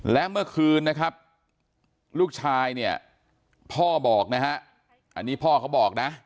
และเมื่อคืนนะครับลูกชายเนี่ยพ่อบอกนะฮะอันนี้พ่อเขาบอกนะ